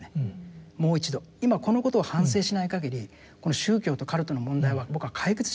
今このことを反省しないかぎりこの宗教とカルトの問題は僕は解決しないと思うんですよ。